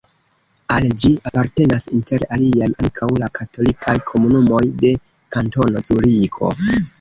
Al ĝi apartenas inter aliaj ankaŭ la katolikaj komunumoj de Kantono Zuriko.